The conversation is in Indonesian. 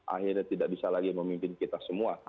akhirnya tidak bisa lagi memimpin kita semua